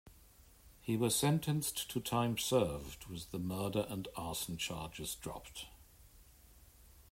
He was sentenced to time served, with the murder and arson charges dropped.